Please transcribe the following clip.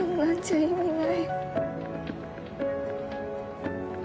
意味ない。